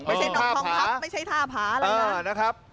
ไม่ใช่นองทองครับไม่ใช่ท่าผาอะไรนะเออนะครับ